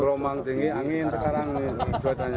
gelombang tinggi angin sekarang ini cuacanya